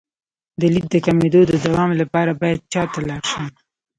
د لید د کمیدو د دوام لپاره باید چا ته لاړ شم؟